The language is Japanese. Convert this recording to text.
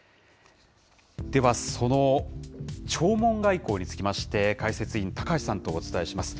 では、その弔問外交につきまして、解説委員、高橋さんとお伝えします。